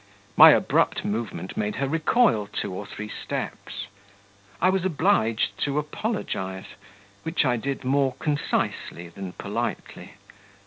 My abrupt movement made her recoil two or three steps. I was obliged to apologize, which I did more concisely than politely.